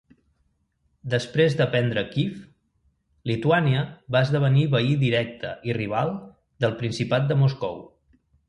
Després de prendre Kíev, Lituània va esdevenir veí directe i rival del Principat de Moscou.